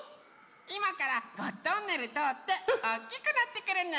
いまからゴットンネルとおっておっきくなってくるね。